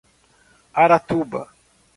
Aratuba